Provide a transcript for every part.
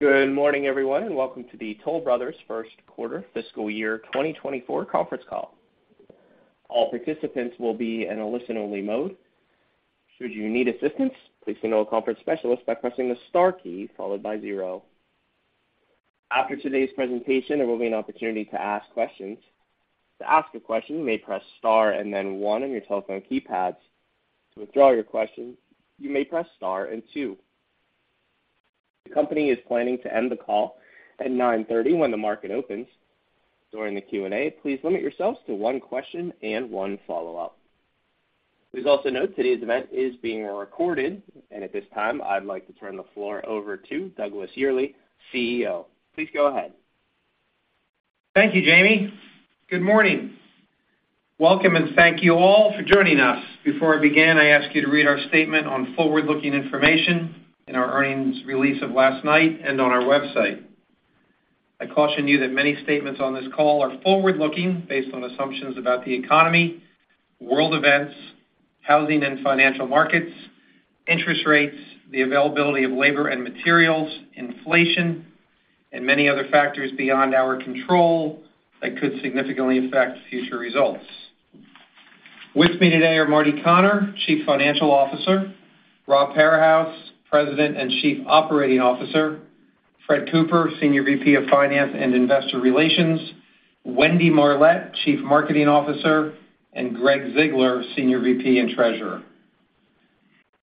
Good morning, everyone, and welcome to the Toll Brothers Q1 Fiscal Year 2024 conference call. All participants will be in a listen-only mode. Should you need assistance, please signal a conference specialist by pressing the star key followed by 0. After today's presentation, there will be an opportunity to ask questions. To ask a question, you may press star and then 1 on your telephone keypads. To withdraw your question, you may press star and 2. The company is planning to end the call at 9:30 A.M. when the market opens. During the Q&A, please limit yourselves to one question and one follow-up. Please also note today's event is being recorded, and at this time, I'd like to turn the floor over to Douglas Yearley, CEO. Please go ahead. Thank you, Jamie. Good morning. Welcome, and thank you all for joining us. Before I begin, I ask you to read our statement on forward-looking information in our earnings release of last night and on our website. I caution you that many statements on this call are forward-looking based on assumptions about the economy, world events, housing and financial markets, interest rates, the availability of labor and materials, inflation, and many other factors beyond our control that could significantly affect future results. With me today are Marty Connor, Chief Financial Officer, Rob Parahus, President and Chief Operating Officer, Fred Cooper, Senior VP of Finance and Investor Relations, Wendy Marlett, Chief Marketing Officer, and Gregg Ziegler, Senior VP and Treasurer.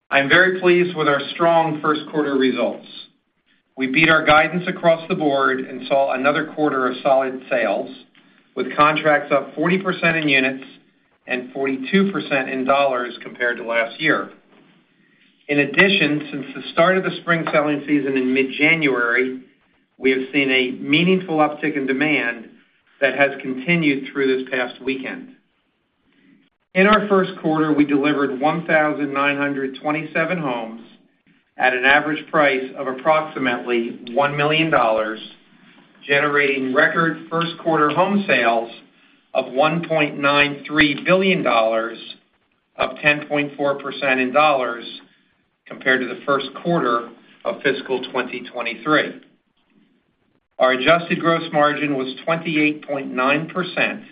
I'm very pleased with our strong Q1 results. We beat our guidance across the board and saw another quarter of solid sales, with contracts up 40% in units and 42% in dollars compared to last year. In addition, since the start of the spring selling season in mid-January, we have seen a meaningful uptick in demand that has continued through this past weekend. In our Q1, we delivered 1,927 homes at an average price of approximately $1 million, generating record Q1 home sales of $1.93 billion, up 10.4% in dollars compared to the Q1 of fiscal 2023. Our adjusted gross margin was 28.9%,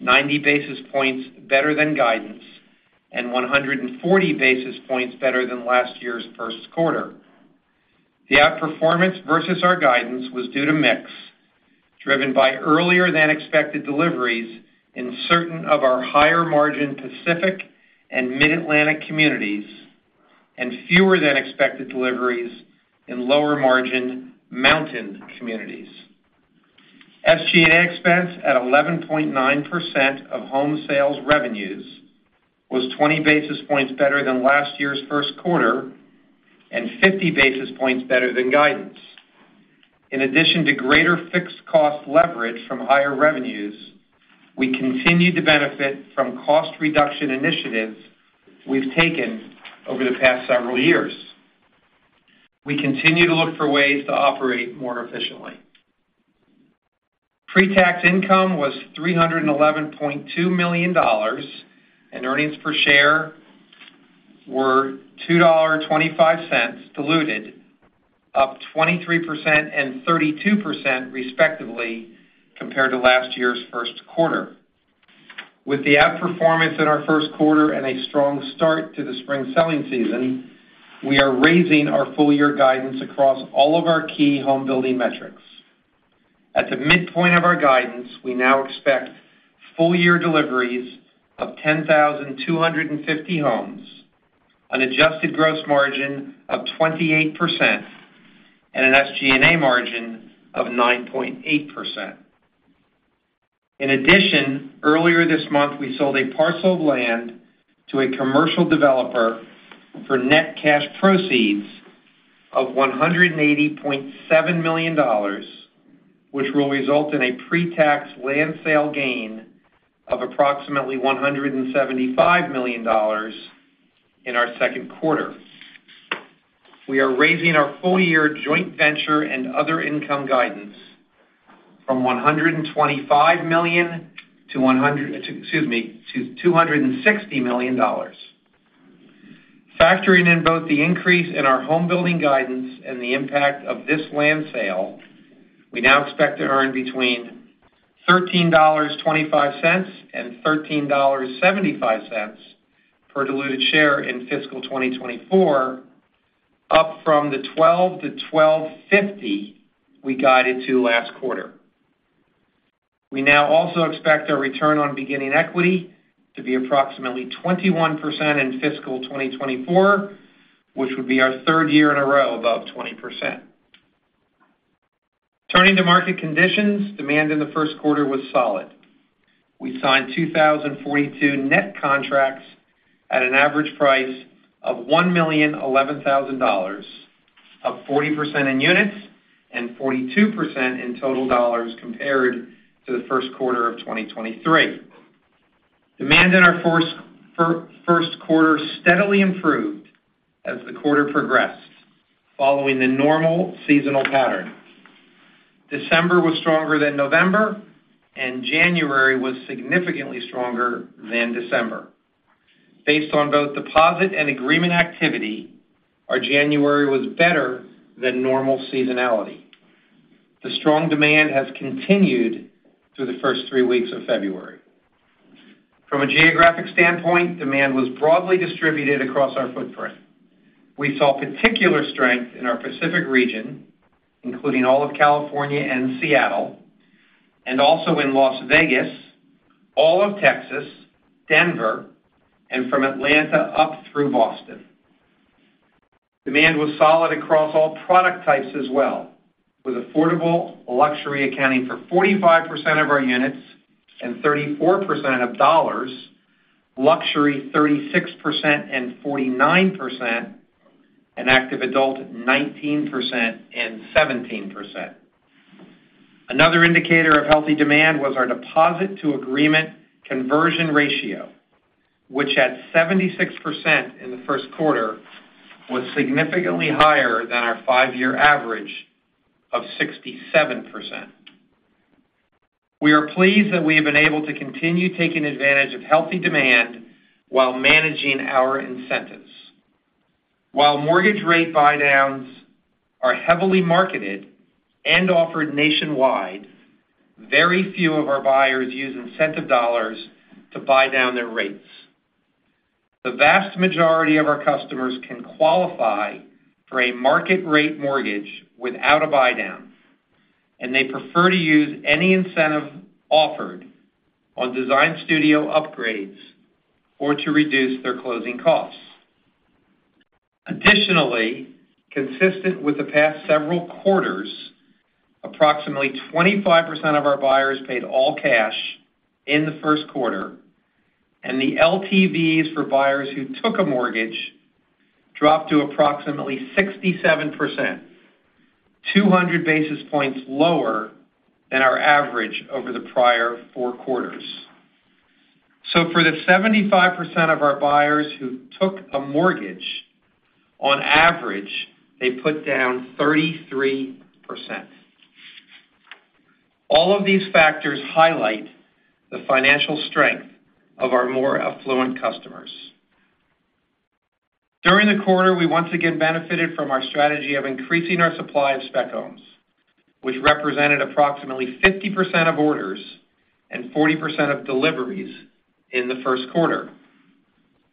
90 basis points better than guidance, and 140 basis points better than last year's Q1. The outperformance versus our guidance was due to mix, driven by earlier-than-expected deliveries in certain of our higher-margin Pacific and Mid-Atlantic communities and fewer-than-expected deliveries in lower-margin Mountain communities. SG&A expense at 11.9% of home sales revenues was 20 basis points better than last year's Q1 and 50 basis points better than guidance. In addition to greater fixed-cost leverage from higher revenues, we continue to benefit from cost-reduction initiatives we've taken over the past several years. We continue to look for ways to operate more efficiently. Pre-tax income was $311.2 million, and earnings per share were $2.25 diluted, up 23% and 32% respectively compared to last year's Q1. With the outperformance in our Q1 and a strong start to the spring selling season, we are raising our full-year guidance across all of our key homebuilding metrics. At the midpoint of our guidance, we now expect full-year deliveries of 10,250 homes, an adjusted gross margin of 28%, and an SG&A margin of 9.8%. In addition, earlier this month, we sold a parcel of land to a commercial developer for net cash proceeds of $180.7 million, which will result in a pre-tax land sale gain of approximately $175 million in our Q2. We are raising our full-year joint venture and other income guidance from $125 million to, excuse me, to $260 million. Factoring in both the increase in our homebuilding guidance and the impact of this land sale, we now expect to earn between $13.25 and $13.75 per diluted share in fiscal 2024, up from the $12 to $12.50 we guided to last quarter. We now also expect our return on beginning equity to be approximately 21% in fiscal 2024, which would be our third year in a row above 20%. Turning to market conditions, demand in the Q1 was solid. We signed 2,042 net contracts at an average price of $1,011,000, up 40% in units and 42% in total dollars compared to the Q1 of 2023. Demand in our Q1 steadily improved as the quarter progressed, following the normal seasonal pattern. December was stronger than November, and January was significantly stronger than December. Based on both deposit and agreement activity, our January was better than normal seasonality. The strong demand has continued through the first three weeks of February. From a geographic standpoint, demand was broadly distributed across our footprint. We saw particular strength in our Pacific region, including all of California and Seattle, and also in Las Vegas, all of Texas, Denver, and from Atlanta up through Boston. Demand was solid across all product types as well, with affordable luxury accounting for 45% of our units and 34% of dollars, luxury 36% and 49%, and active adult 19% and 17%. Another indicator of healthy demand was our deposit-to-agreement conversion ratio, which at 76% in the Q1 was significantly higher than our five-year average of 67%. We are pleased that we have been able to continue taking advantage of healthy demand while managing our incentives. While mortgage rate buy-downs are heavily marketed and offered nationwide, very few of our buyers use incentive dollars to buy down their rates. The vast majority of our customers can qualify for a market-rate mortgage without a buy-down, and they prefer to use any incentive offered on design studio upgrades or to reduce their closing costs. Additionally, consistent with the past several quarters, approximately 25% of our buyers paid all cash in the Q1, and the LTVs for buyers who took a mortgage dropped to approximately 67%, 200 basis points lower than our average over the prior four quarters. So for the 75% of our buyers who took a mortgage, on average, they put down 33%. All of these factors highlight the financial strength of our more affluent customers. During the quarter, we once again benefited from our strategy of increasing our supply of spec homes, which represented approximately 50% of orders and 40% of deliveries in the Q1.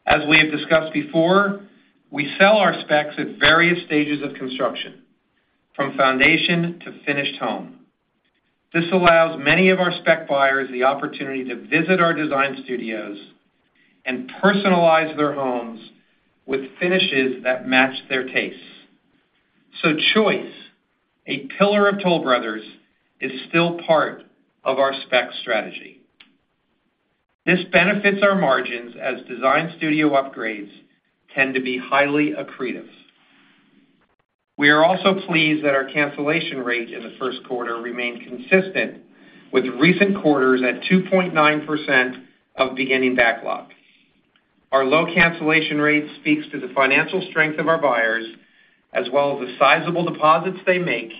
As we have discussed before, we sell our specs at various stages of construction, from foundation to finished home. This allows many of our spec buyers the opportunity to visit our design studios and personalize their homes with finishes that match their tastes. So, choice, a pillar of Toll Brothers, is still part of our spec strategy. This benefits our margins as design studio upgrades tend to be highly accretive. We are also pleased that our cancellation rate in the Q1 remained consistent with recent quarters at 2.9% of beginning backlog. Our low cancellation rate speaks to the financial strength of our buyers, as well as the sizable deposits they make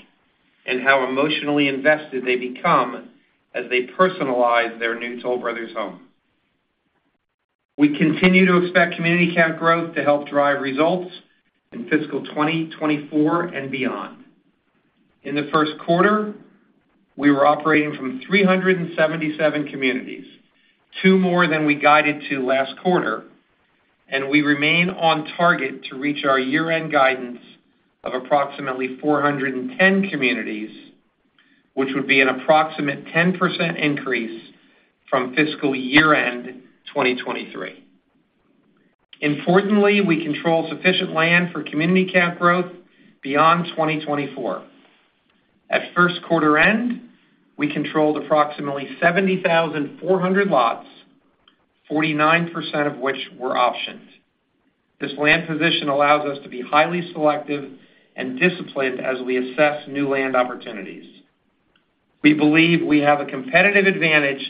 and how emotionally invested they become as they personalize their new Toll Brothers home. We continue to expect community count growth to help drive results in fiscal 2024 and beyond. In the Q1, we were operating from 377 communities, two more than we guided to last quarter, and we remain on target to reach our year-end guidance of approximately 410 communities, which would be an approximate 10% increase from fiscal year-end 2023. Importantly, we control sufficient land for community count growth beyond 2024. At Q1 end, we controlled approximately 70,400 lots, 49% of which were optioned. This land position allows us to be highly selective and disciplined as we assess new land opportunities. We believe we have a competitive advantage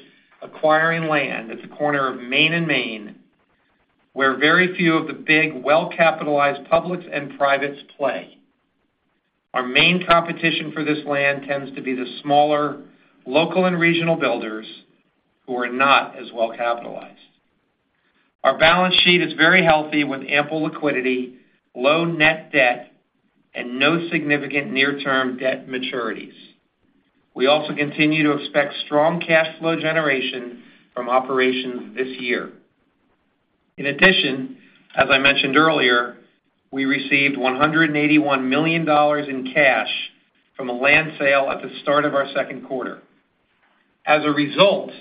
acquiring land at the corner of Main and Main, where very few of the big well-capitalized publics and privates play. Our main competition for this land tends to be the smaller local and regional builders who are not as well-capitalized. Our balance sheet is very healthy with ample liquidity, low net debt, and no significant near-term debt maturities. We also continue to expect strong cash flow generation from operations this year. In addition, as I mentioned earlier, we received $181 million in cash from a land sale at the start of our Q2. As a result,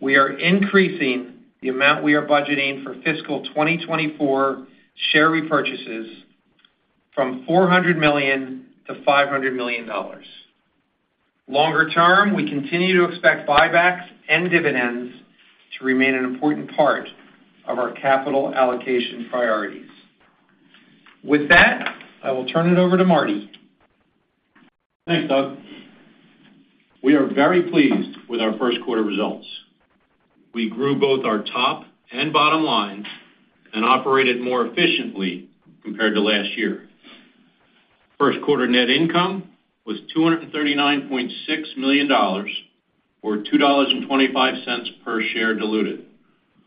we are increasing the amount we are budgeting for fiscal 2024 share repurchases from $400 million to $500 million. Longer term, we continue to expect buybacks and dividends to remain an important part of our capital allocation priorities. With that, I will turn it over to Marty. Thanks, Doug. We are very pleased with our Q1 results. We grew both our top and bottom lines and operated more efficiently compared to last year. Q1 net income was $239.6 million or $2.25 per share diluted,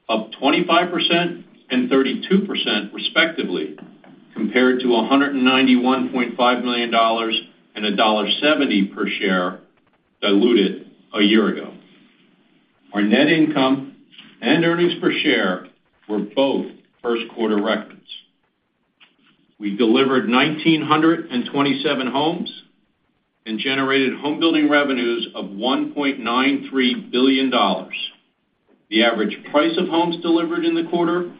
up 25% and 32% respectively compared to $191.5 million and $1.70 per share diluted a year ago. Our net income and earnings per share were both Q1 records. We delivered 1,927 homes and generated homebuilding revenues of $1.93 billion. The average price of homes delivered in the quarter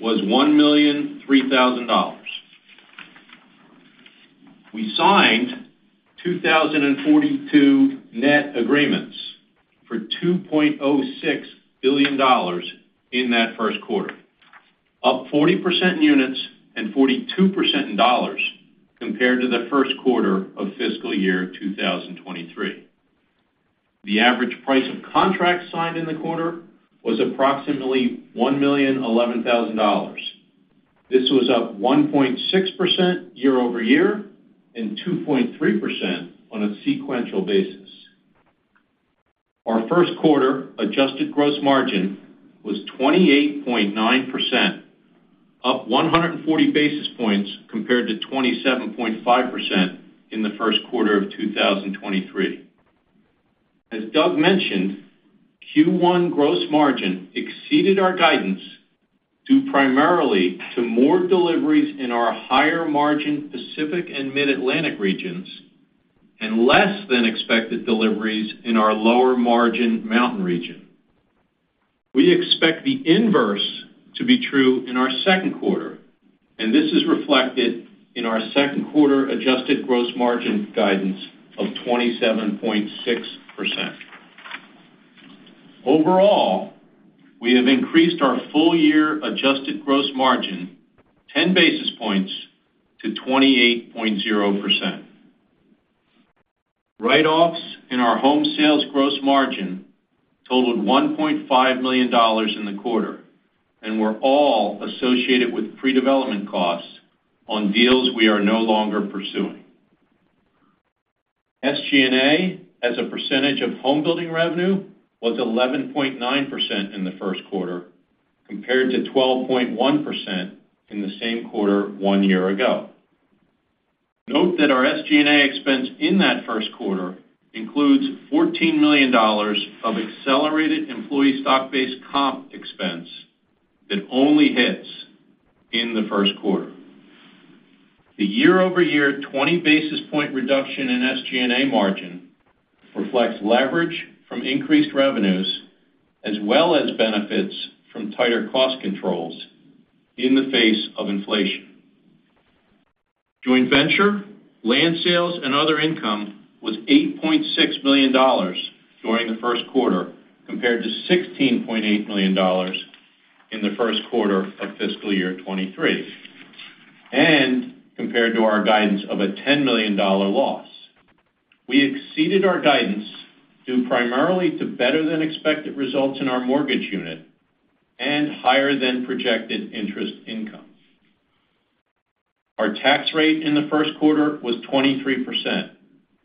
was $1,003,000. We signed 2,042 net agreements for $2.06 billion in that Q1, up 40% in units and 42% in dollars compared to the Q1 of fiscal year 2023. The average price of contracts signed in the quarter was approximately $1,011,000. This was up 1.6% year-over-year and 2.3% on a sequential basis. Our Q1 adjusted gross margin was 28.9%, up 140 basis points compared to 27.5% in the Q1 of 2023. As Doug mentioned, Q1 gross margin exceeded our guidance primarily to more deliveries in our higher-margin Pacific and Mid-Atlantic regions and less than expected deliveries in our lower-margin mountain region. We expect the inverse to be true in our Q2, and this is reflected in our Q2 adjusted gross margin guidance of 27.6%. Overall, we have increased our full-year adjusted gross margin 10 basis points to 28.0%. Write-offs in our home sales gross margin totaled $1.5 million in the quarter and were all associated with pre-development costs on deals we are no longer pursuing. SG&A, as a percentage of homebuilding revenue, was 11.9% in the Q1 compared to 12.1% in the same quarter one year ago. Note that our SG&A expense in that Q1 includes $14 million of accelerated employee stock-based comp expense that only hits in the Q1. The year-over-year 20 basis point reduction in SG&A margin reflects leverage from increased revenues as well as benefits from tighter cost controls in the face of inflation. Joint venture, land sales, and other income was $8.6 million during the Q1 compared to $16.8 million in the Q1 of fiscal year 2023 and compared to our guidance of a $10 million loss. We exceeded our guidance due primarily to better-than-expected results in our mortgage unit and higher-than-projected interest income. Our tax rate in the Q1 was 23%,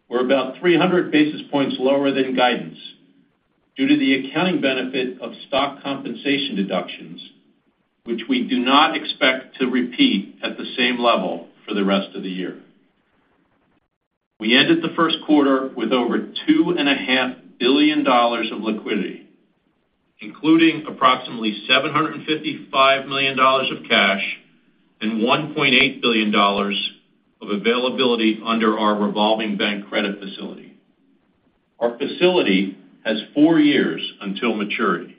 we're about 300 basis points lower than guidance due to the accounting benefit of stock compensation deductions, which we do not expect to repeat at the same level for the rest of the year. We ended the Q1 with over $2.5 billion of liquidity, including approximately $755 million of cash and $1.8 billion of availability under our revolving bank credit facility. Our facility has four years until maturity.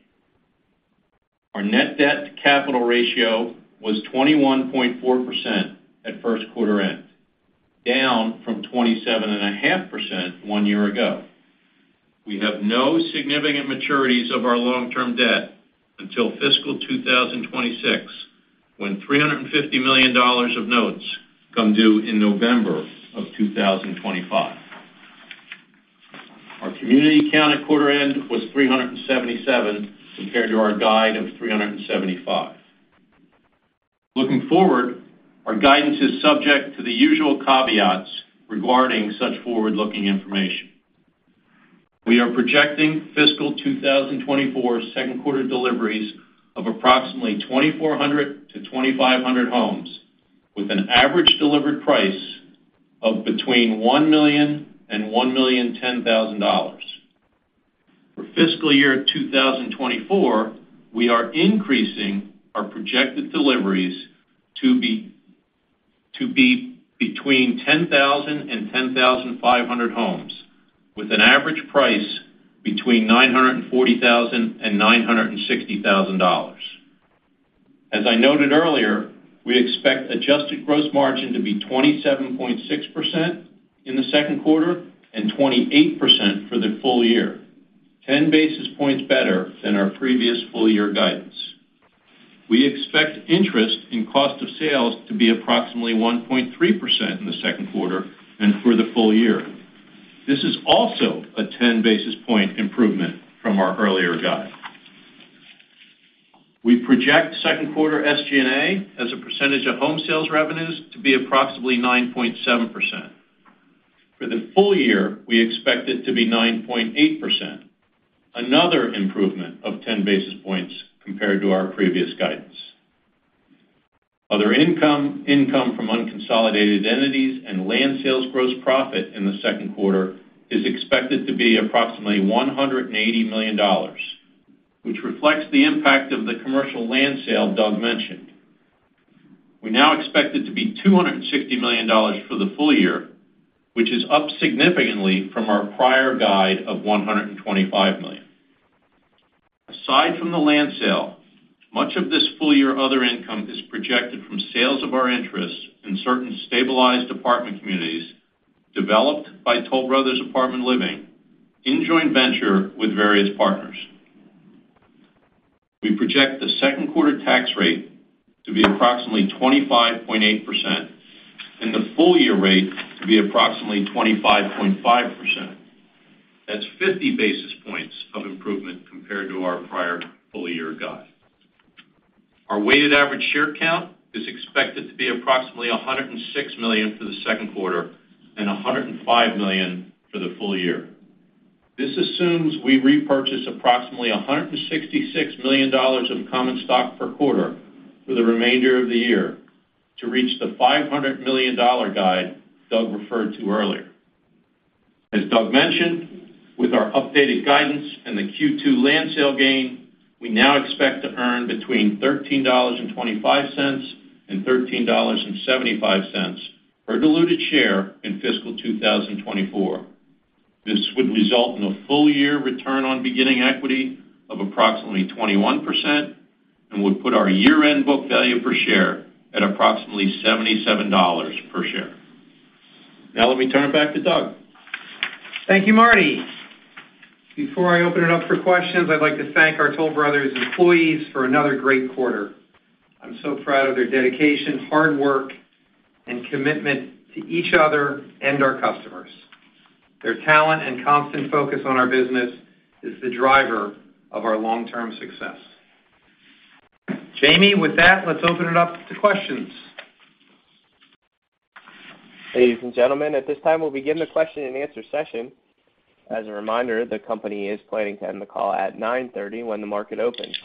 Our net debt-to-capital ratio was 21.4% at Q1 end, down from 27.5% one year ago. We have no significant maturities of our long-term debt until fiscal 2026, when $350 million of notes come due in November of 2025. Our community count at quarter end was 377 compared to our guide of 375. Looking forward, our guidance is subject to the usual caveats regarding such forward-looking information. We are projecting fiscal 2024 Q2 deliveries of approximately 2,400-2,500 homes with an average delivered price of between $1 million and $1.01 million. For fiscal year 2024, we are increasing our projected deliveries to be between 10,000 and 10,500 homes with an average price between $940,000 and $960,000. As I noted earlier, we expect adjusted gross margin to be 27.6% in the Q2 and 28% for the full year, 10 basis points better than our previous full-year guidance. We expect interest in cost of sales to be approximately 1.3% in the Q2 and for the full year. This is also a 10 basis point improvement from our earlier guide. We project Q2 SG&A as a percentage of home sales revenues to be approximately 9.7%. For the full year, we expect it to be 9.8%, another improvement of 10 basis points compared to our previous guidance. Other income, income from unconsolidated entities, and land sales gross profit in the Q2 is expected to be approximately $180 million, which reflects the impact of the commercial land sale Doug mentioned. We now expect it to be $260 million for the full year, which is up significantly from our prior guide of $125 million. Aside from the land sale, much of this full-year other income is projected from sales of our interests in certain stabilized apartment communities developed by Toll Brothers Apartment Living, in joint venture with various partners. We project the Q2 tax rate to be approximately 25.8% and the full-year rate to be approximately 25.5%. That's 50 basis points of improvement compared to our prior full-year guide. Our weighted average share count is expected to be approximately 106 million for the Q2 and 105 million for the full year. This assumes we repurchase approximately $166 million of common stock per quarter for the remainder of the year to reach the $500 million guide Doug referred to earlier. As Doug mentioned, with our updated guidance and the Q2 land sale gain, we now expect to earn between $13.25-$13.75 per diluted share in fiscal 2024. This would result in a full-year return on beginning equity of approximately 21% and would put our year-end book value per share at approximately $77 per share. Now let me turn it back to Doug. Thank you, Marty. Before I open it up for questions, I'd like to thank our Toll Brothers employees for another great quarter. I'm so proud of their dedication, hard work, and commitment to each other and our customers. Their talent and constant focus on our business is the driver of our long-term success. Jamie, with that, let's open it up to questions. Ladies and gentlemen, at this time, we'll begin the question and answer session. As a reminder, the company is planning to end the call at 9:30 A.M. when the market opens.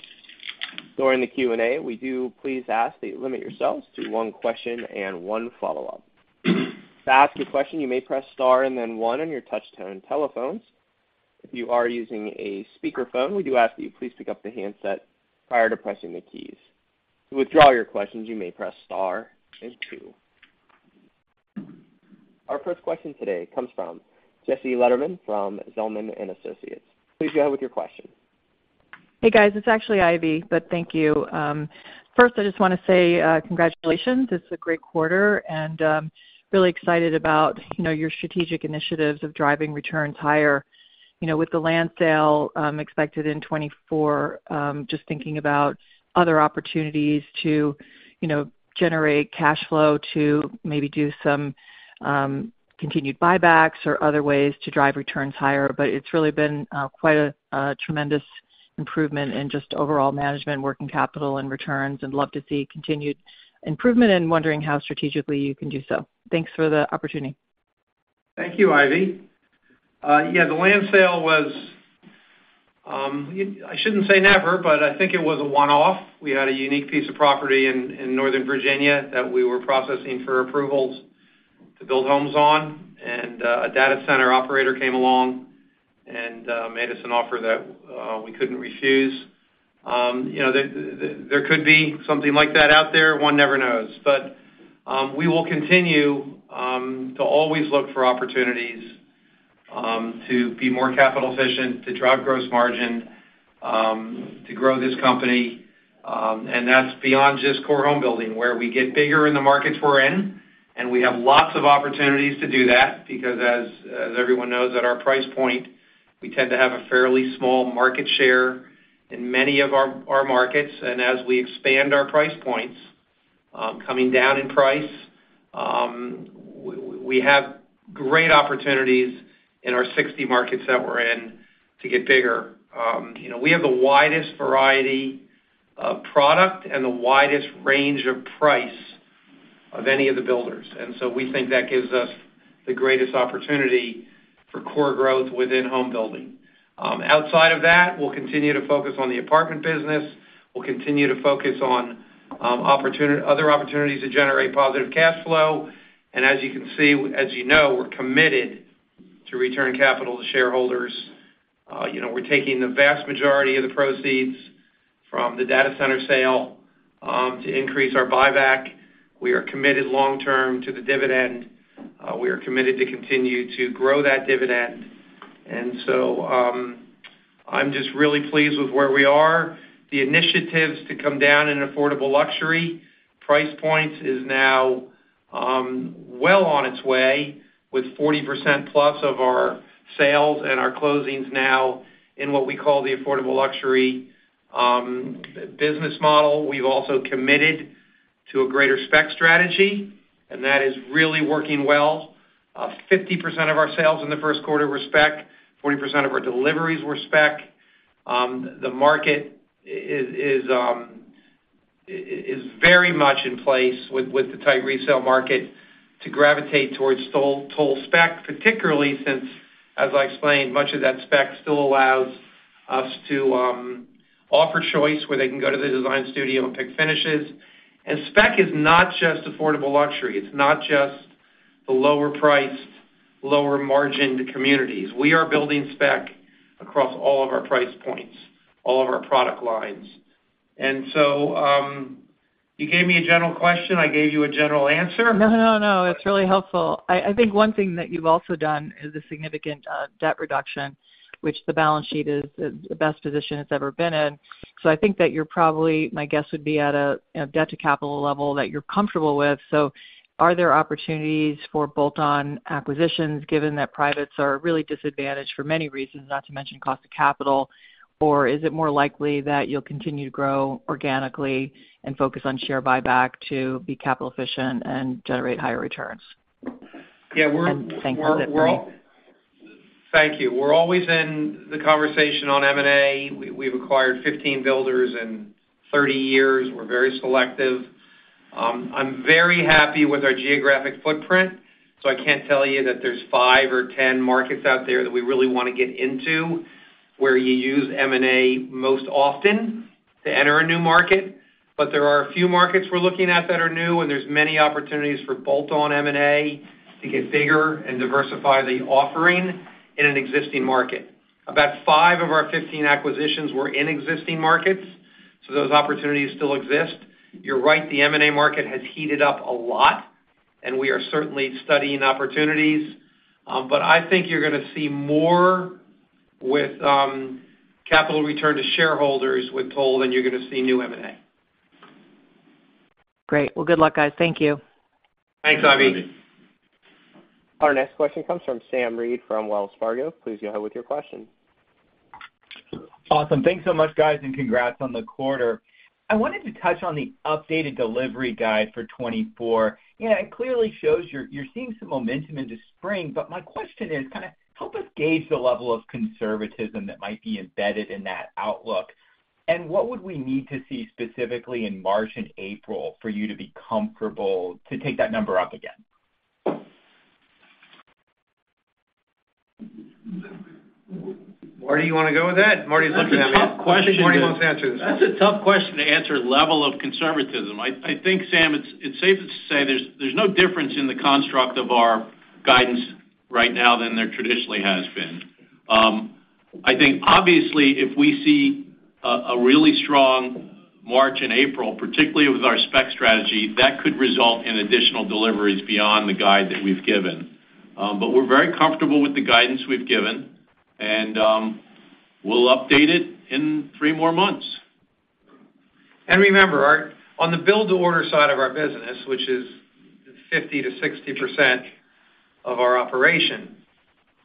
During the Q&A, we do please ask that you limit yourselves to one question and one follow-up. To ask a question, you may press star and then one on your touch-tone telephones. If you are using a speakerphone, we do ask that you please pick up the handset prior to pressing the keys. To withdraw your questions, you may press star and two. Our first question today comes from Ivy Zelman from Zelman & Associates. Please go ahead with your question. Hey, guys. It's actually Ivy, but thank you. First, I just want to say congratulations. It's a great quarter and really excited about your strategic initiatives of driving returns higher with the land sale expected in 2024, just thinking about other opportunities to generate cash flow, to maybe do some continued buybacks or other ways to drive returns higher. But it's really been quite a tremendous improvement in just overall management, working capital, and returns, and love to see continued improvement and wondering how strategically you can do so. Thanks for the opportunity. Thank you, Ivy. Yeah, the land sale was, I shouldn't say never, but I think it was a one-off. We had a unique piece of property in Northern Virginia that we were processing for approvals to build homes on, and a data center operator came along and made us an offer that we couldn't refuse. There could be something like that out there. One never knows. But we will continue to always look for opportunities to be more capital efficient, to drive gross margin, to grow this company. And that's beyond just core homebuilding, where we get bigger in the markets we're in, and we have lots of opportunities to do that because, as everyone knows at our price point, we tend to have a fairly small market share in many of our markets. As we expand our price points, coming down in price, we have great opportunities in our 60 markets that we're in to get bigger. We have the widest variety of product and the widest range of price of any of the builders. And so we think that gives us the greatest opportunity for core growth within homebuilding. Outside of that, we'll continue to focus on the apartment business. We'll continue to focus on other opportunities to generate positive cash flow. And as you can see, as you know, we're committed to return capital to shareholders. We're taking the vast majority of the proceeds from the data center sale to increase our buyback. We are committed long-term to the dividend. We are committed to continue to grow that dividend. And so I'm just really pleased with where we are. The initiatives to come down in affordable luxury price points is now well on its way with 40% plus of our sales and our closings now in what we call the affordable luxury business model. We've also committed to a greater spec strategy, and that is really working well. 50% of our sales in the Q1 were spec. 40% of our deliveries were spec. The market is very much in place with the tight resale market to gravitate towards Toll spec, particularly since, as I explained, much of that spec still allows us to offer choice where they can go to the design studio and pick finishes. And spec is not just affordable luxury. It's not just the lower-priced, lower-margined communities. We are building spec across all of our price points, all of our product lines. And so you gave me a general question. I gave you a general answer. No, no, no. It's really helpful. I think one thing that you've also done is a significant debt reduction, which the balance sheet is the best position it's ever been in. So I think that you're probably, my guess would be, at a debt-to-capital level that you're comfortable with. So are there opportunities for bolt-on acquisitions given that privates are really disadvantaged for many reasons, not to mention cost of capital? Or is it more likely that you'll continue to grow organically and focus on share buyback to be capital efficient and generate higher returns? Yeah, we're. Thank you for that point. Thank you. We're always in the conversation on M&A. We've acquired 15 builders in 30 years. We're very selective. I'm very happy with our geographic footprint, so I can't tell you that there's 5 or 10 markets out there that we really want to get into where you use M&A most often to enter a new market. But there are a few markets we're looking at that are new, and there's many opportunities for bolt-on M&A to get bigger and diversify the offering in an existing market. About 5 of our 15 acquisitions were in existing markets, so those opportunities still exist. You're right. The M&A market has heated up a lot, and we are certainly studying opportunities. But I think you're going to see more with capital return to shareholders with Toll, then you're going to see new M&A. Great. Well, good luck, guys. Thank you. Thanks, Ivy. Our next question comes from Sam Reid from Wells Fargo. Please go ahead with your question. Awesome. Thanks so much, guys, and congrats on the quarter. I wanted to touch on the updated delivery guide for 2024. It clearly shows you're seeing some momentum into spring. But my question is, kind of help us gauge the level of conservatism that might be embedded in that outlook. And what would we need to see specifically in March and April for you to be comfortable to take that number up again? Marty, you want to go with that? Marty's looking at me. I think Marty wants to answer this. That's a tough question to answer, level of conservatism. I think, Sam, it's safe to say there's no difference in the construct of our guidance right now than there traditionally has been. I think, obviously, if we see a really strong March and April, particularly with our spec strategy, that could result in additional deliveries beyond the guide that we've given. But we're very comfortable with the guidance we've given, and we'll update it in three more months. Remember, on the build-to-order side of our business, which is 50%-60% of our operation,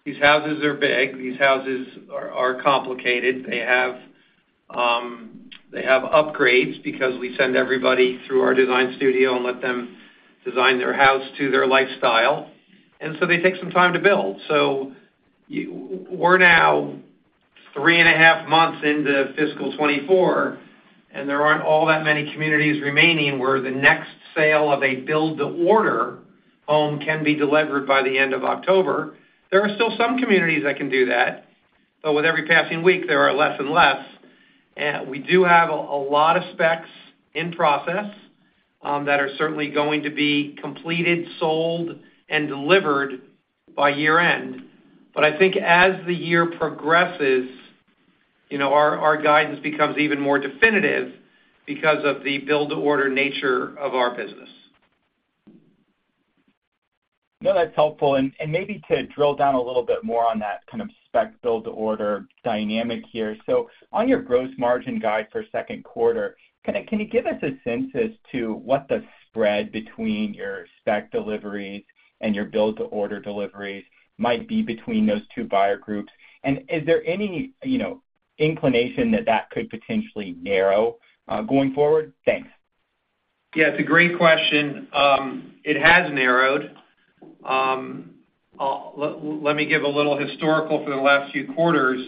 these houses are big. These houses are complicated. They have upgrades because we send everybody through our design studio and let them design their house to their lifestyle. And so they take some time to build. So we're now three and a half months into fiscal 2024, and there aren't all that many communities remaining where the next sale of a build-to-order home can be delivered by the end of October. There are still some communities that can do that, but with every passing week, there are less and less. We do have a lot of specs in process that are certainly going to be completed, sold, and delivered by year-end. But I think as the year progresses, our guidance becomes even more definitive because of the build-to-order nature of our business. No, that's helpful. And maybe to drill down a little bit more on that kind of spec build-to-order dynamic here. So on your gross margin guide for Q2, kind of can you give us a sense to what the spread between your spec deliveries and your build-to-order deliveries might be between those two buyer groups? And is there any inclination that that could potentially narrow going forward? Thanks. Yeah, it's a great question. It has narrowed. Let me give a little historical for the last few quarters.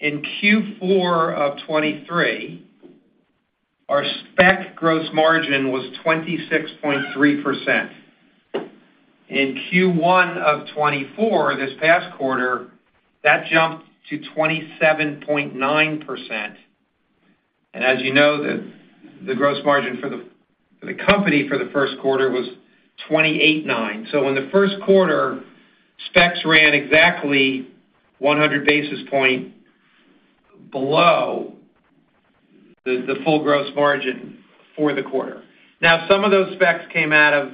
In Q4 of 2023, our spec gross margin was 26.3%. In Q1 of 2024, this past quarter, that jumped to 27.9%. And as you know, the gross margin for the company for the Q1 was 28.9%. So in the Q1, specs ran exactly 100 basis points below the full gross margin for the quarter. Now, some of those specs came out of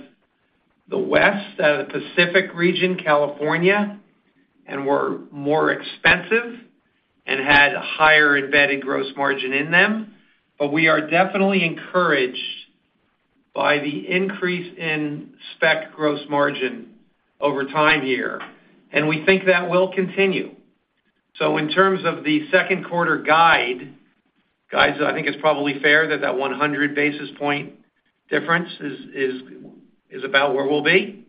the west, out of the Pacific region, California, and were more expensive and had a higher embedded gross margin in them. But we are definitely encouraged by the increase in spec gross margin over time here, and we think that will continue. So in terms of the Q2 guide, guys, I think it's probably fair that that 100 basis point difference is about where we'll be.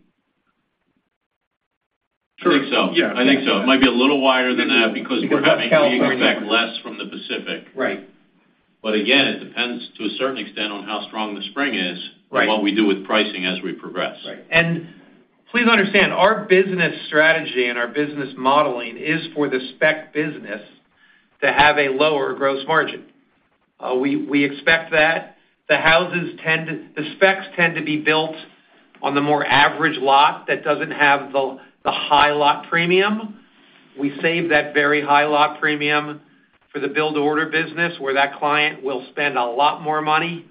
I think so. I think so. It might be a little wider than that because we're having to expect less from the Pacific. But again, it depends to a certain extent on how strong the spring is and what we do with pricing as we progress. Right. Please understand, our business strategy and our business modeling is for the spec business to have a lower gross margin. We expect that. The houses tend to, the specs tend to be built on the more average lot that doesn't have the high lot premium. We save that very high lot premium for the build-to-order business where that client will spend a lot more money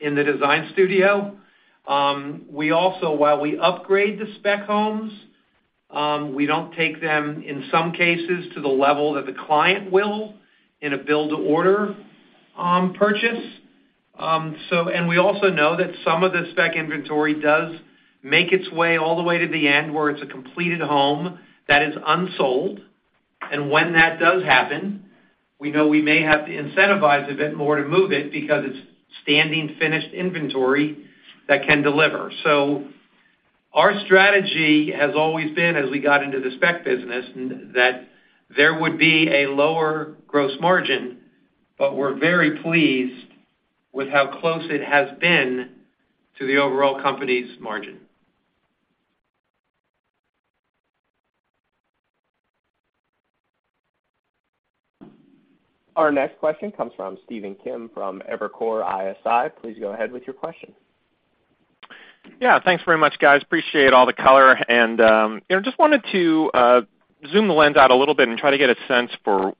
in the design studio. Also, while we upgrade the spec homes, we don't take them, in some cases, to the level that the client will in a build-to-order purchase. We also know that some of the spec inventory does make its way all the way to the end where it's a completed home that is unsold. When that does happen, we know we may have to incentivize a bit more to move it because it's standing finished inventory that can deliver. Our strategy has always been, as we got into the spec business, that there would be a lower gross margin, but we're very pleased with how close it has been to the overall company's margin. Our next question comes from Stephen Kim from Evercore ISI. Please go ahead with your question. Yeah, thanks very much, guys. Appreciate all the color. Just wanted to zoom the lens out a little bit and try to get a sense for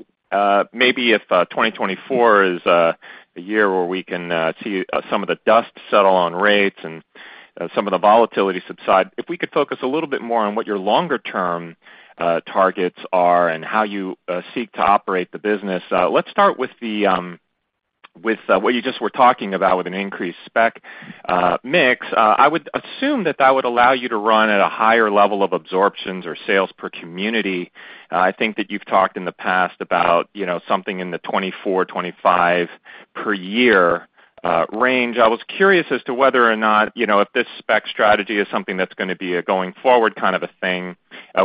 maybe if 2024 is a year where we can see some of the dust settle on rates and some of the volatility subside. If we could focus a little bit more on what your longer-term targets are and how you seek to operate the business, let's start with what you just were talking about with an increased spec mix. I would assume that that would allow you to run at a higher level of absorptions or sales per community. I think that you've talked in the past about something in the 24-25 per year range. I was curious as to whether or not if this spec strategy is something that's going to be a going forward kind of a thing.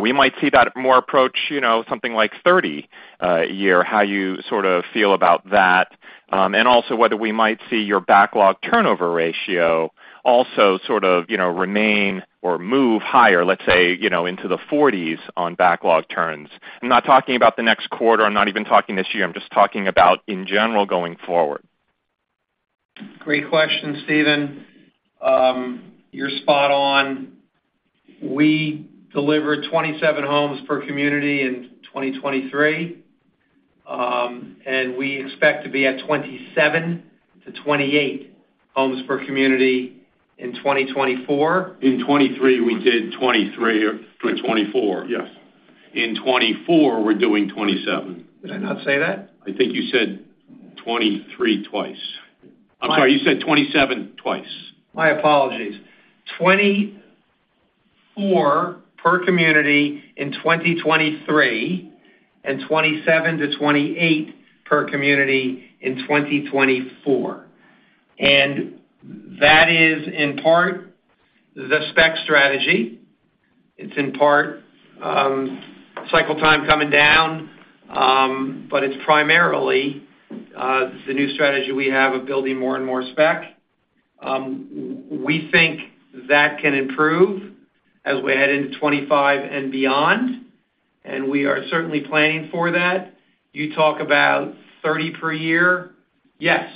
We might see that more approach something like 30 a year. How do you sort of feel about that? And also whether we might see your backlog turnover ratio also sort of remain or move higher, let's say, into the 40s on backlog turns. I'm not talking about the next quarter. I'm not even talking this year. I'm just talking about in general going forward. Great question, Stephen. You're spot on. We delivered 27 homes per community in 2023, and we expect to be at 27-28 homes per community in 2024. In 2023, we did 23 or 24. In 2024, we're doing 27. Did I not say that? I think you said 23 twice. I'm sorry. You said 27 twice. My apologies. 24 per community in 2023 and 27-28 per community in 2024. And that is in part the spec strategy. It's in part cycle time coming down, but it's primarily the new strategy we have of building more and more spec. We think that can improve as we head into 2025 and beyond, and we are certainly planning for that. You talk about 30 per year. Yes.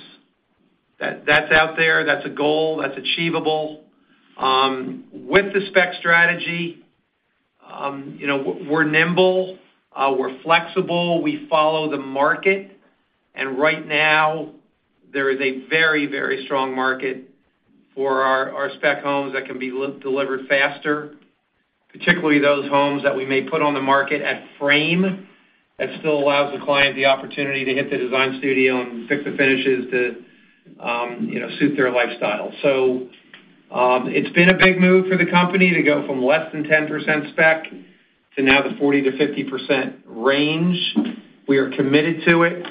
That's out there. That's a goal. That's achievable. With the spec strategy, we're nimble. We're flexible. We follow the market. And right now, there is a very, very strong market for our spec homes that can be delivered faster, particularly those homes that we may put on the market at frame that still allows the client the opportunity to hit the design studio and pick the finishes to suit their lifestyle. So it's been a big move for the company to go from less than 10% spec to now the 40%-50% range. We are committed to it.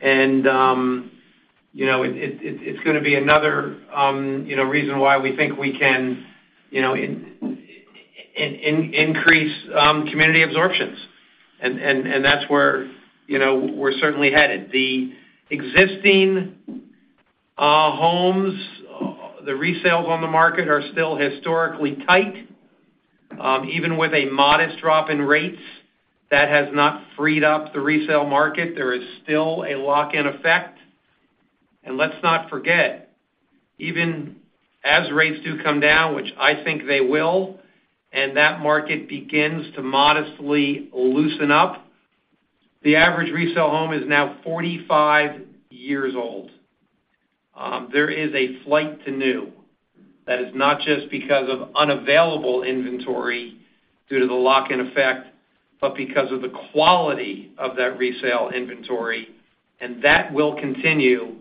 And it's going to be another reason why we think we can increase community absorptions. And that's where we're certainly headed. The existing homes, the resales on the market are still historically tight. Even with a modest drop in rates, that has not freed up the resale market. There is still a lock-in effect. And let's not forget, even as rates do come down, which I think they will, and that market begins to modestly loosen up, the average resale home is now 45 years old. There is a flight to new. That is not just because of unavailable inventory due to the lock-in effect, but because of the quality of that resale inventory. That will continue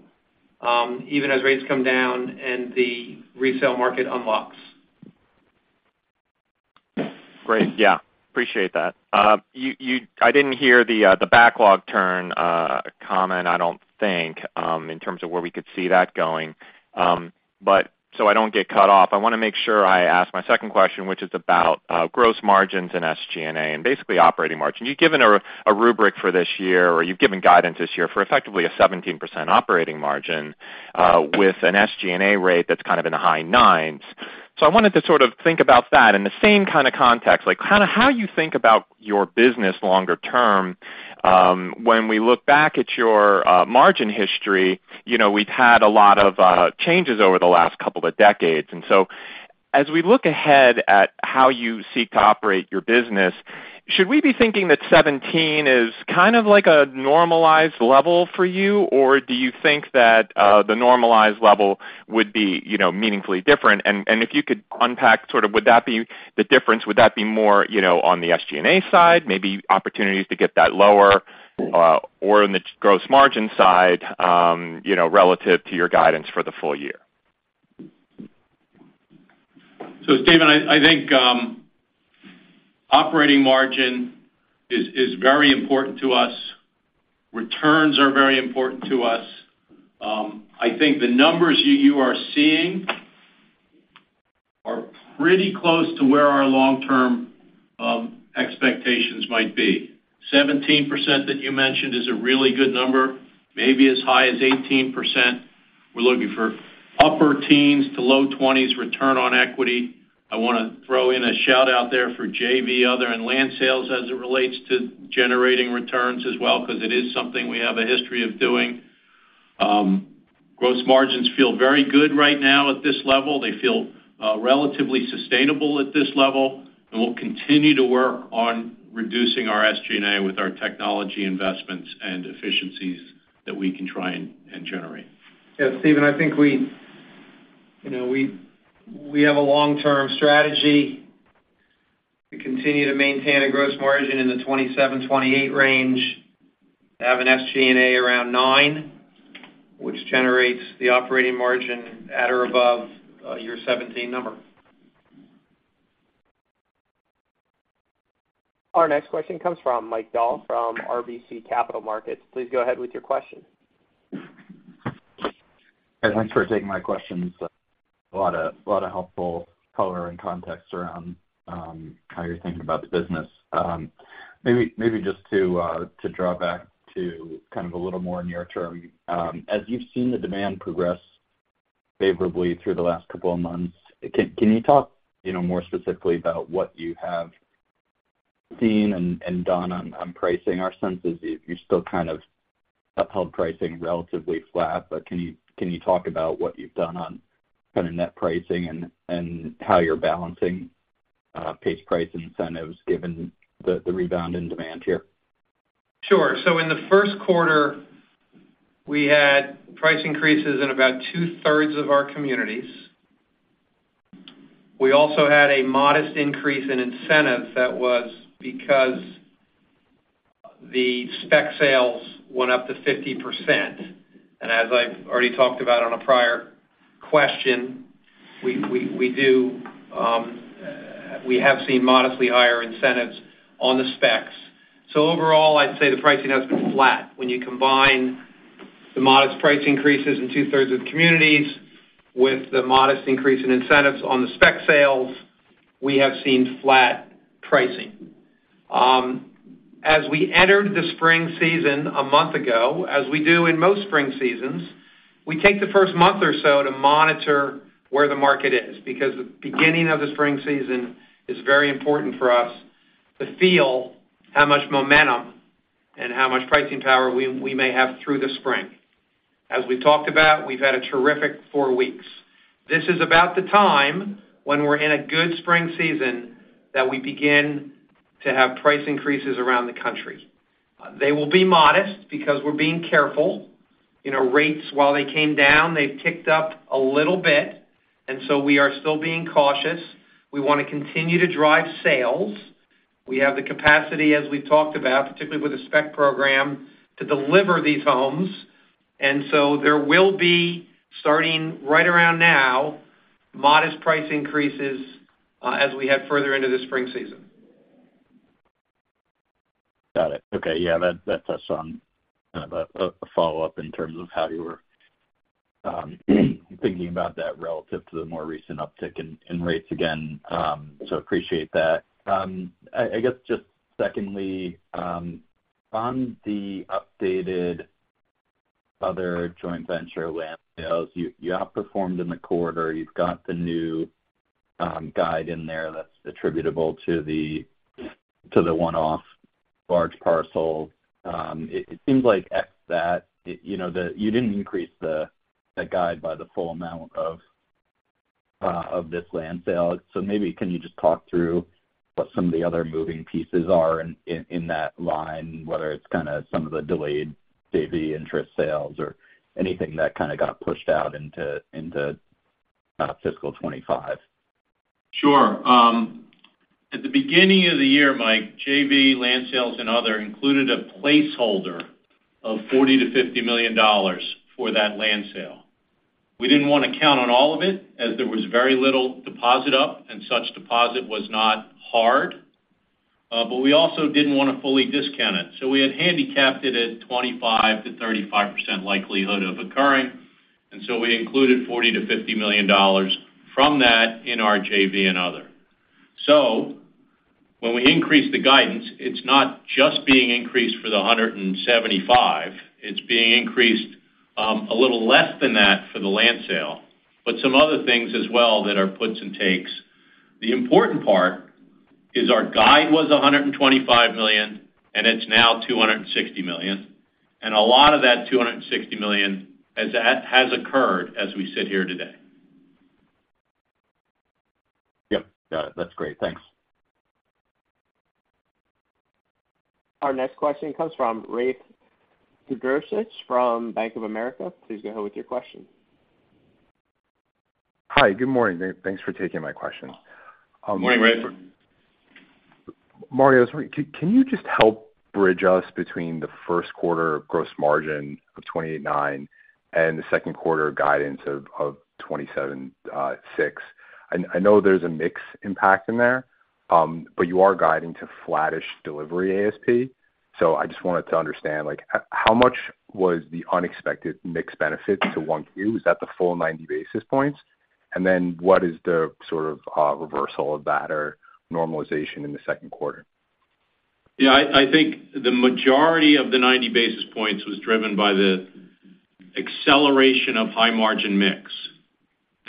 even as rates come down and the resale market unlocks. Great. Yeah. Appreciate that. I didn't hear the backlog turn comment, I don't think, in terms of where we could see that going. So I don't get cut off. I want to make sure I ask my second question, which is about gross margins and SG&A and basically operating margin. You've given a rubric for this year, or you've given guidance this year for effectively a 17% operating margin with an SG&A rate that's kind of in the high 9s%. So I wanted to sort of think about that in the same kind of context, kind of how you think about your business longer term. When we look back at your margin history, we've had a lot of changes over the last couple of decades. And so as we look ahead at how you seek to operate your business, should we be thinking that 17 is kind of like a normalized level for you, or do you think that the normalized level would be meaningfully different? And if you could unpack sort of, would that be the difference? Would that be more on the SG&A side, maybe opportunities to get that lower, or on the gross margin side relative to your guidance for the full year? So, Stephen, I think operating margin is very important to us. Returns are very important to us. I think the numbers you are seeing are pretty close to where our long-term expectations might be. 17% that you mentioned is a really good number, maybe as high as 18%. We're looking for upper teens-low 20s return on equity. I want to throw in a shout-out there for JV, other, and land sales as it relates to generating returns as well because it is something we have a history of doing. Gross margins feel very good right now at this level. They feel relatively sustainable at this level. And we'll continue to work on reducing our SG&A with our technology investments and efficiencies that we can try and generate. Yeah, Stephen, I think we have a long-term strategy to continue to maintain a gross margin in the 27%-28% range, have an SG&A around 9%, which generates the operating margin at or above your 17% number. Our next question comes from Mike Dahl from RBC Capital Markets. Please go ahead with your question. Thanks for taking my questions. A lot of helpful color and context around how you're thinking about the business. Maybe just to draw back to kind of a little more near-term, as you've seen the demand progress favorably through the last couple of months, can you talk more specifically about what you have seen and done on pricing? Our sense is you've still kind of upheld pricing relatively flat, but can you talk about what you've done on kind of net pricing and how you're balancing pace price incentives given the rebound in demand here? Sure. So in the Q1, we had price increases in about two-thirds of our communities. We also had a modest increase in incentives that was because the spec sales went up to 50%. And as I've already talked about on a prior question, we have seen modestly higher incentives on the specs. So overall, I'd say the pricing has been flat. When you combine the modest price increases in two-thirds of the communities with the modest increase in incentives on the spec sales, we have seen flat pricing. As we entered the spring season a month ago, as we do in most spring seasons, we take the first month or so to monitor where the market is because the beginning of the spring season is very important for us to feel how much momentum and how much pricing power we may have through the spring. As we've talked about, we've had a terrific four weeks. This is about the time when we're in a good spring season that we begin to have price increases around the country. They will be modest because we're being careful. Rates, while they came down, they've ticked up a little bit. And so we are still being cautious. We want to continue to drive sales. We have the capacity, as we've talked about, particularly with the spec program, to deliver these homes. And so there will be, starting right around now, modest price increases as we head further into the spring season. Got it. Okay. Yeah, that touched on kind of a follow-up in terms of how you were thinking about that relative to the more recent uptick in rates again. So appreciate that. I guess just secondly, on the updated other joint venture land sales, you outperformed in the quarter. You've got the new guide in there that's attributable to the one-off large parcel. It seems like ex that, you didn't increase the guide by the full amount of this land sale. So maybe can you just talk through what some of the other moving pieces are in that line, whether it's kind of some of the delayed JV interest sales or anything that kind of got pushed out into fiscal 2025? Sure. At the beginning of the year, Mike, JV, land sales, and other included a placeholder of $40 million-$50 million for that land sale. We didn't want to count on all of it as there was very little deposit up, and such deposit was not hard. But we also didn't want to fully discount it. So we had handicapped it at 25%-35% likelihood of occurring. And so we included $40 million-$50 million from that in our JV and other. So when we increase the guidance, it's not just being increased for the $175. It's being increased a little less than that for the land sale, but some other things as well that are puts and takes. The important part is our guide was $125 million, and it's now $260 million. A lot of that $260 million has occurred as we sit here today. Yep. Got it. That's great. Thanks. Our next question comes from Rafe Jadrosich from Bank of America. Please go ahead with your question. Hi. Good morning. Thanks for taking my question. Good morning, Rafe. Marty, can you just help bridge us between the Q1 gross margin of 28.9% and the Q2 guidance of 27.6%? I know there's a mixed impact in there, but you are guiding to flattish delivery ASP. So I just wanted to understand, how much was the unexpected mixed benefit to 1Q? Was that the full 90 basis points? And then what is the sort of reversal of that or normalization in the Q2? Yeah. I think the majority of the 90 basis points was driven by the acceleration of high-margin mix.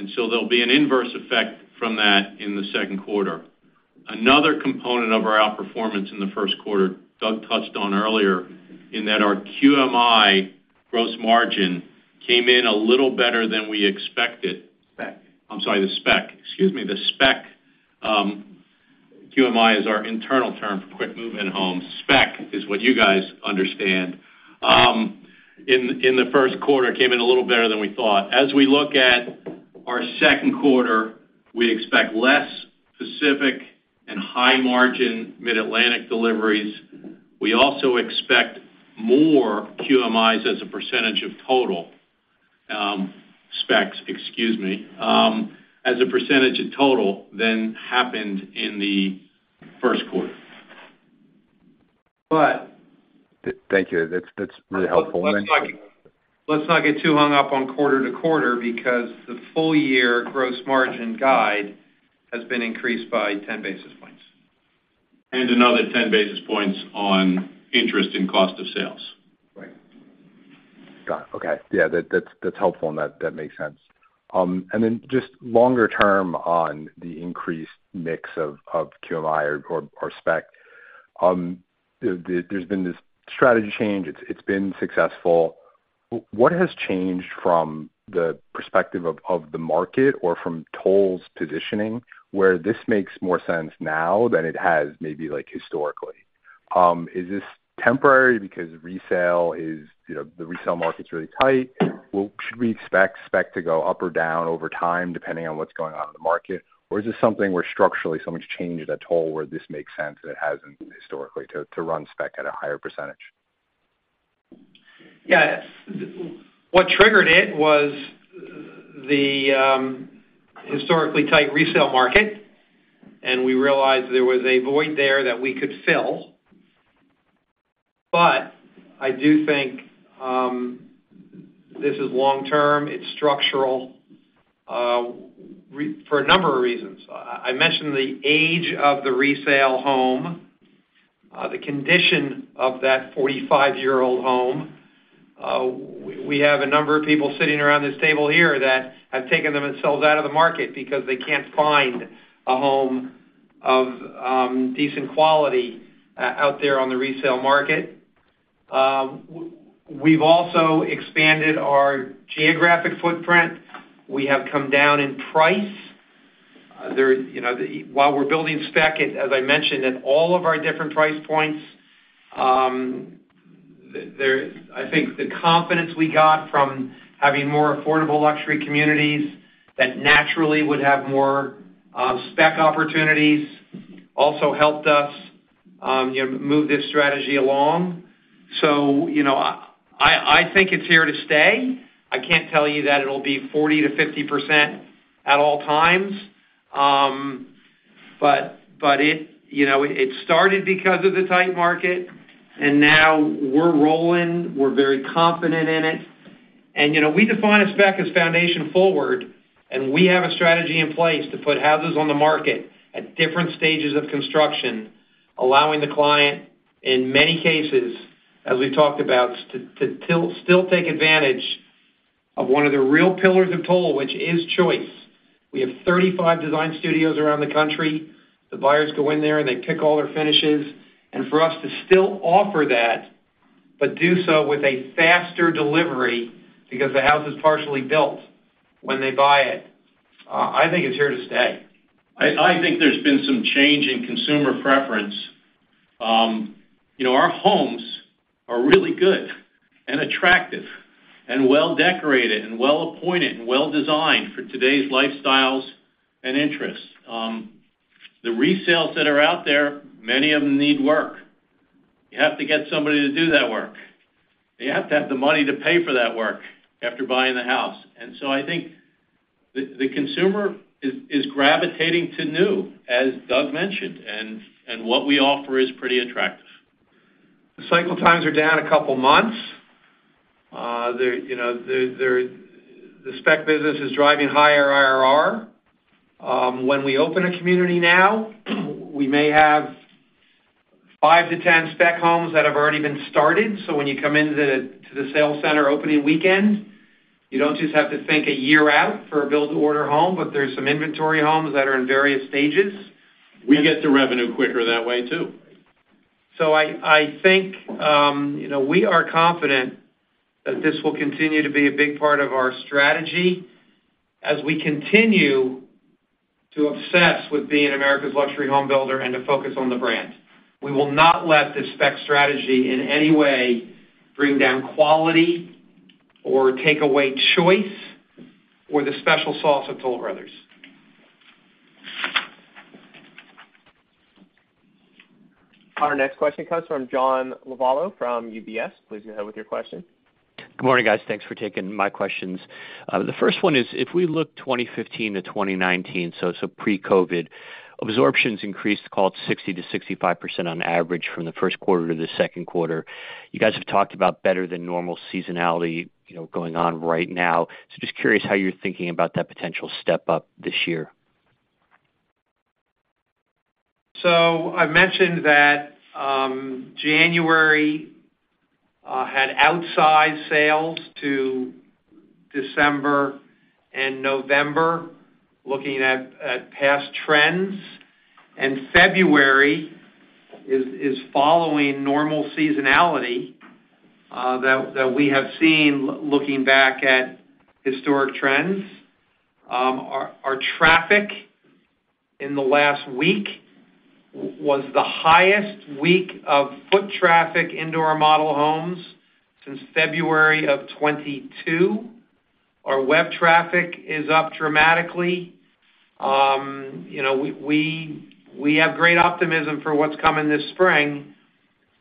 And so there'll be an inverse effect from that in the Q2. Another component of our outperformance in the Q1, Doug touched on earlier, in that our QMI gross margin came in a little better than we expected. Spec. I'm sorry, the spec. Excuse me. The spec. QMI is our internal term for quick move-in homes. Spec is what you guys understand. In the Q1, it came in a little better than we thought. As we look at our Q2, we expect less Pacific and high-margin Mid-Atlantic deliveries. We also expect more QMIs as a percentage of total specs, excuse me, as a percentage of total than happened in the Q1. But. Thank you. That's really helpful. Let's not get too hung up on quarter-to-quarter because the full-year gross margin guide has been increased by 10 basis points. Another 10 basis points on interest and cost of sales. Right. Got it. Okay. Yeah, that's helpful, and that makes sense. And then just longer-term on the increased mix of QMI or spec, there's been this strategy change. It's been successful. What has changed from the perspective of the market or from Toll's positioning where this makes more sense now than it has maybe historically? Is this temporary because the resale market's really tight? Should we expect spec to go up or down over time depending on what's going on in the market? Or is this something where structurally, something's changed at Toll where this makes sense and it hasn't historically to run spec at a higher percentage? Yeah. What triggered it was the historically tight resale market. And we realized there was a void there that we could fill. But I do think this is long-term. It's structural for a number of reasons. I mentioned the age of the resale home, the condition of that 45-year-old home. We have a number of people sitting around this table here that have taken themselves out of the market because they can't find a home of decent quality out there on the resale market. We've also expanded our geographic footprint. We have come down in price. While we're building spec, as I mentioned, at all of our different price points, I think the confidence we got from having more affordable luxury communities that naturally would have more spec opportunities also helped us move this strategy along. So I think it's here to stay. I can't tell you that it'll be 40%-50% at all times. But it started because of the tight market. And now we're rolling. We're very confident in it. And we define a spec as foundation forward. We have a strategy in place to put houses on the market at different stages of construction, allowing the client, in many cases, as we've talked about, to still take advantage of one of the real pillars of Toll, which is choice. We have 35 design studios around the country. The buyers go in there, and they pick all their finishes. And for us to still offer that but do so with a faster delivery because the house is partially built when they buy it, I think it's here to stay. I think there's been some change in consumer preference. Our homes are really good and attractive and well-decorated and well-appointed and well-designed for today's lifestyles and interests. The resales that are out there, many of them need work. You have to get somebody to do that work. You have to have the money to pay for that work after buying the house. And so I think the consumer is gravitating to new, as Doug mentioned. And what we offer is pretty attractive. The cycle times are down a couple of months. The spec business is driving higher IRR. When we open a community now, we may have five to ten spec homes that have already been started. So when you come into the sales center opening weekend, you don't just have to think a year out for a build-to-order home, but there's some inventory homes that are in various stages. We get the revenue quicker that way too. I think we are confident that this will continue to be a big part of our strategy as we continue to obsess with being America's luxury homebuilder and to focus on the brand. We will not let this spec strategy in any way bring down quality or take away choice or the special sauce of Toll Brothers. Our next question comes from John Lovallo from UBS. Please go ahead with your question. Good morning, guys. Thanks for taking my questions. The first one is, if we look 2015-2019, so pre-COVID, absorptions increased like 60%-65% on average from the Q1 to the Q2. You guys have talked about better-than-normal seasonality going on right now. So just curious how you're thinking about that potential step up this year? I mentioned that January had outsized sales to December and November looking at past trends. February is following normal seasonality that we have seen looking back at historic trends. Our traffic in the last week was the highest week of foot traffic indoor model homes since February of 2022. Our web traffic is up dramatically. We have great optimism for what's coming this spring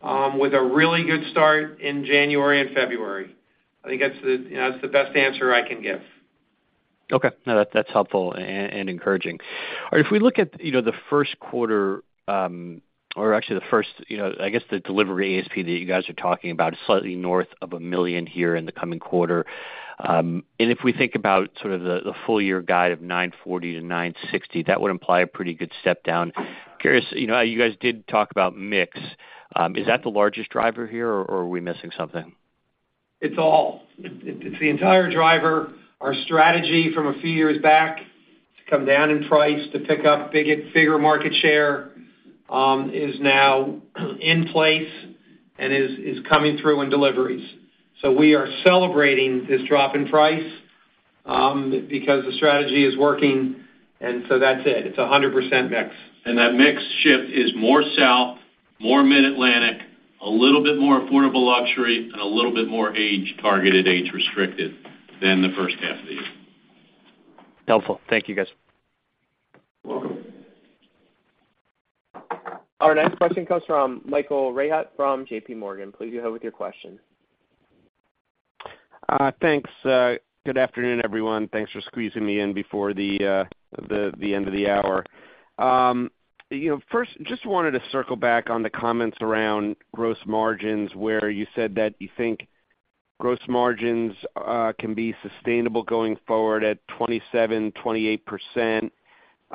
with a really good start in January and February. I think that's the best answer I can give. Okay. No, that's helpful and encouraging. All right. If we look at the Q1 or actually the first, I guess, the delivery ASP that you guys are talking about is slightly north of $1 million here in the coming quarter. And if we think about sort of the full-year guide of $940,000-$960,000, that would imply a pretty good step down. Curious, you guys did talk about mix. Is that the largest driver here, or are we missing something? It's all. It's the entire driver. Our strategy from a few years back to come down in price, to pick up bigger market share is now in place and is coming through in deliveries. So we are celebrating this drop in price because the strategy is working. And so that's it. It's 100% mix. That mix shift is more south, more Mid-Atlantic, a little bit more affordable luxury, and a little bit more age-targeted, age-restricted than the first half of the year. Helpful. Thank you, guys. You're welcome. Our next question comes from Michael Rehaut from JPMorgan. Please go ahead with your question. Thanks. Good afternoon, everyone. Thanks for squeezing me in before the end of the hour. First, just wanted to circle back on the comments around gross margins where you said that you think gross margins can be sustainable going forward at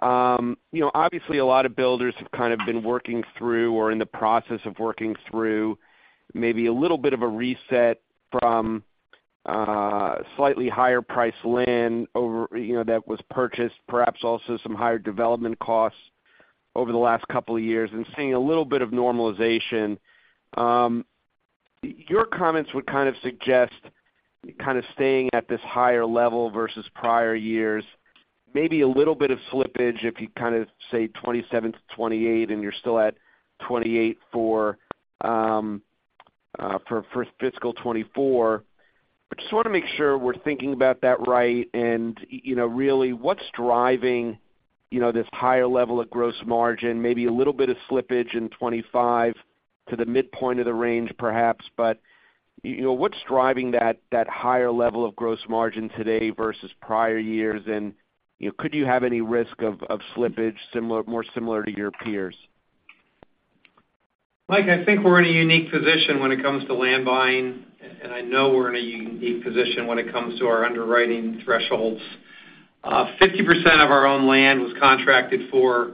27%-28%. Obviously, a lot of builders have kind of been working through or in the process of working through maybe a little bit of a reset from slightly higher-priced land that was purchased, perhaps also some higher development costs over the last couple of years, and seeing a little bit of normalization. Your comments would kind of suggest kind of staying at this higher level versus prior years, maybe a little bit of slippage if you kind of say 27%-28% and you're still at 28% for fiscal 2024. I just want to make sure we're thinking about that right. Really, what's driving this higher level of gross margin, maybe a little bit of slippage in 2025 to the midpoint of the range, perhaps? But what's driving that higher level of gross margin today versus prior years? And could you have any risk of slippage more similar to your peers? Mike, I think we're in a unique position when it comes to land buying. I know we're in a unique position when it comes to our underwriting thresholds. 50% of our own land was contracted for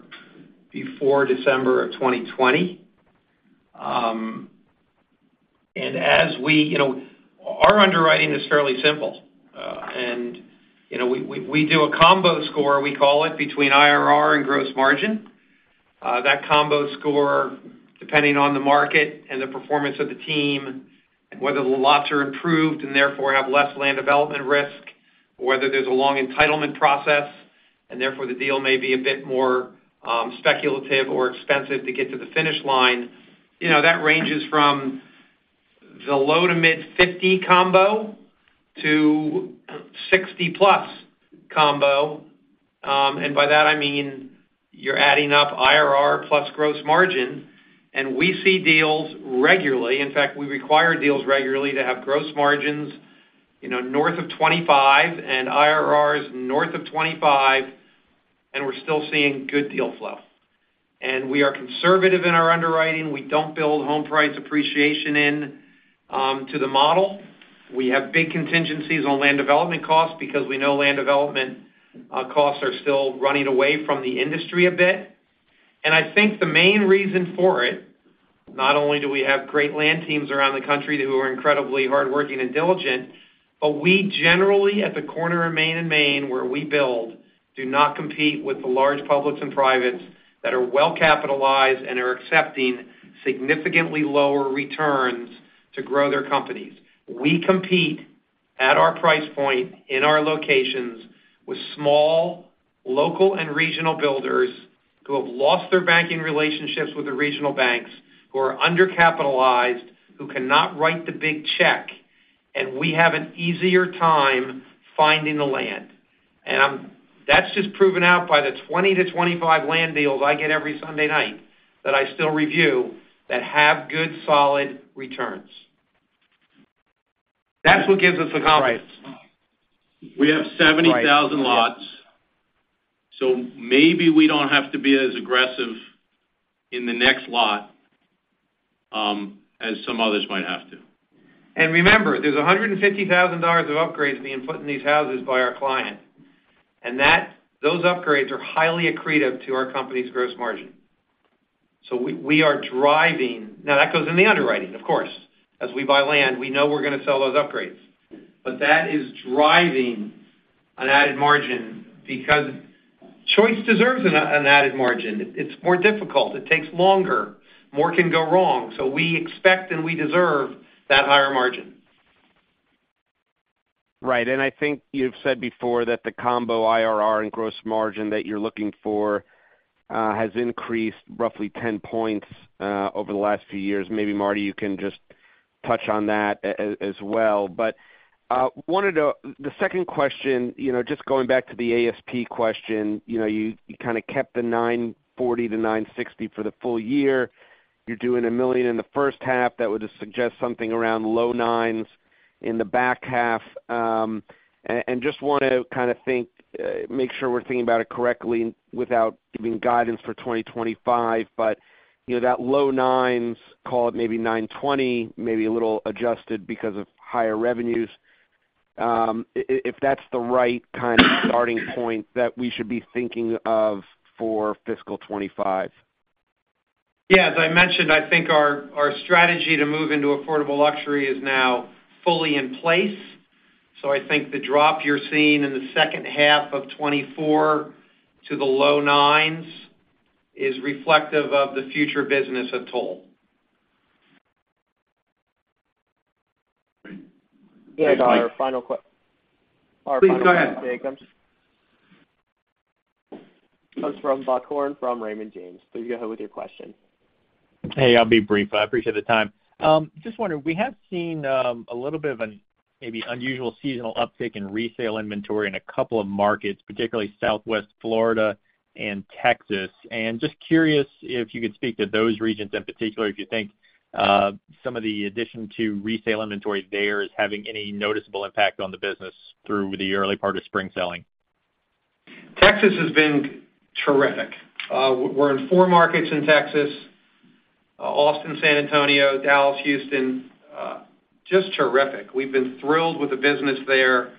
before December of 2020. As we, our underwriting is fairly simple. We do a combo score, we call it, between IRR and gross margin. That combo score, depending on the market and the performance of the team and whether the lots are improved and therefore have less land development risk or whether there's a long entitlement process and therefore the deal may be a bit more speculative or expensive to get to the finish line, ranges from the low- to mid-50 combo to 60+ combo. By that, I mean you're adding up IRR plus gross margin. We see deals regularly. In fact, we require deals regularly to have gross margins north of 25 and IRRs north of 25. We're still seeing good deal flow. We are conservative in our underwriting. We don't build home price appreciation into the model. We have big contingencies on land development costs because we know land development costs are still running away from the industry a bit. I think the main reason for it, not only do we have great land teams around the country who are incredibly hardworking and diligent, but we generally, at the corner of Maine and Maine where we build, do not compete with the large publics and privates that are well-capitalized and are accepting significantly lower returns to grow their companies. We compete at our price point in our locations with small local and regional builders who have lost their banking relationships with the regional banks, who are undercapitalized, who cannot write the big check. And we have an easier time finding the land. And that's just proven out by the 20-25 land deals I get every Sunday night that I still review that have good, solid returns. That's what gives us the confidence. Right. We have 70,000 lots. So maybe we don't have to be as aggressive in the next lot as some others might have to. And remember, there's $150,000 of upgrades being put in these houses by our client. Those upgrades are highly accretive to our company's gross margin. So we are driving now. That goes in the underwriting, of course. As we buy land, we know we're going to sell those upgrades. But that is driving an added margin because choice deserves an added margin. It's more difficult. It takes longer. More can go wrong. So we expect and we deserve that higher margin. Right. And I think you've said before that the combo IRR and gross margin that you're looking for has increased roughly 10 points over the last few years. Maybe, Marty, you can just touch on that as well. But I wanted to the second question, just going back to the ASP question, you kind of kept the $940-$960 for the full year. You're doing $1 million in the first half. That would suggest something around low 900s in the back half. And just want to kind of think make sure we're thinking about it correctly without giving guidance for 2025. But that low 900s, call it maybe $920, maybe a little adjusted because of higher revenues, if that's the right kind of starting point that we should be thinking of for fiscal 2025. Yeah. As I mentioned, I think our strategy to move into affordable luxury is now fully in place. So I think the drop you're seeing in the second half of 2024 to the low nines is reflective of the future business of Toll. Yeah. Our final question. Please go ahead. I'm sorry. Comes from Buck Horne from Raymond James. Please go ahead with your question. Hey, I'll be brief. I appreciate the time. Just wondering, we have seen a little bit of an maybe unusual seasonal uptick in resale inventory in a couple of markets, particularly Southwest Florida and Texas. And just curious if you could speak to those regions in particular, if you think some of the addition to resale inventory there is having any noticeable impact on the business through the early part of spring selling? Texas has been terrific. We're in four markets in Texas: Austin, San Antonio, Dallas, Houston. Just terrific. We've been thrilled with the business there.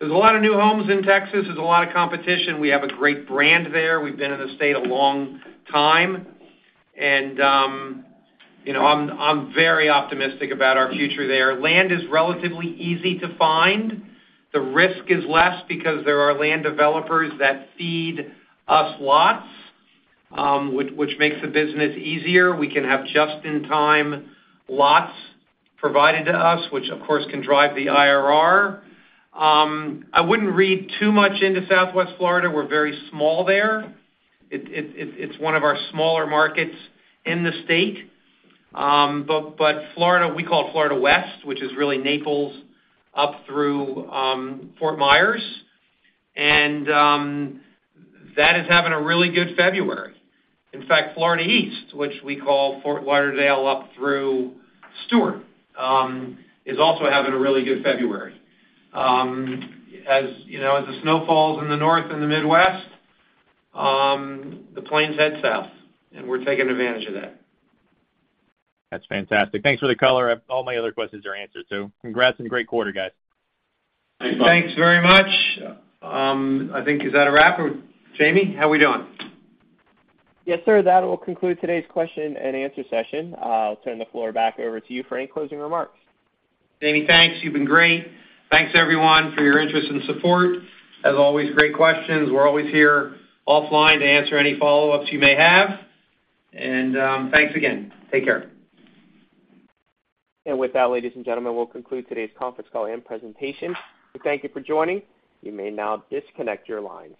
There's a lot of new homes in Texas. There's a lot of competition. We have a great brand there. We've been in the state a long time. And I'm very optimistic about our future there. Land is relatively easy to find. The risk is less because there are land developers that feed us lots, which makes the business easier. We can have just-in-time lots provided to us, which, of course, can drive the IRR. I wouldn't read too much into Southwest Florida. We're very small there. It's one of our smaller markets in the state. But we call it Florida West, which is really Naples up through Fort Myers. And that is having a really good February. In fact, Florida East, which we call Fort Lauderdale up through Stuart, is also having a really good February. As the snow falls in the north and the Midwest, the planes head south. And we're taking advantage of that. That's fantastic. Thanks for the color. All my other questions are answered too. Congrats and great quarter, guys. Thanks, Buck. Thanks very much. I think is that a wrap, Jamie? How are we doing? Yes, sir. That will conclude today's question and answer session. I'll turn the floor back over to you for any closing remarks. Jamie, thanks. You've been great. Thanks, everyone, for your interest and support. As always, great questions. We're always here offline to answer any follow-ups you may have. Thanks again. Take care. With that, ladies and gentlemen, we'll conclude today's conference call and presentation. We thank you for joining. You may now disconnect your lines.